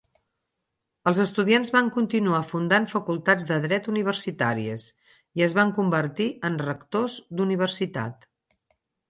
Els estudiants van continuar fundant facultats de dret universitàries i es van convertir en rectors d'universitat.